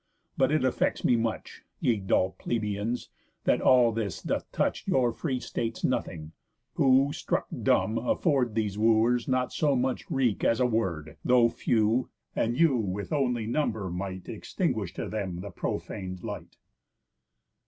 But it affects me much, Ye dull plebeians, that all this doth touch Your free states nothing; who, struck dumb, afford These Wooers not so much wreak as a word, Though few, and you with only number might Extinguish to them the profaned light."